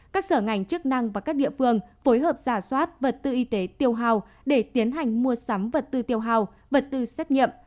các sở ngành chức năng và các địa phương phối hợp giả soát vật tư y tế tiêu hào để tiến hành mua sắm vật tư tiêu hào vật tư xét nghiệm